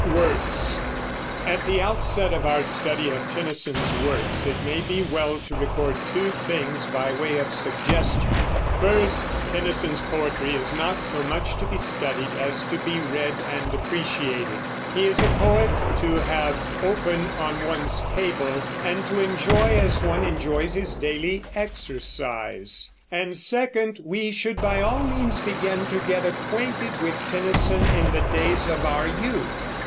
WORKS. At the outset of our study of Tennyson's works it may be well to record two things, by way of suggestion. First, Tennyson's poetry is not so much to be studied as to be read and appreciated; he is a poet to have open on one's table, and to enjoy as one enjoys his daily exercise. And second, we should by all means begin to get acquainted with Tennyson in the days of our youth.